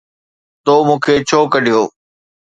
تو مون کي ڇو ڪڍيو؟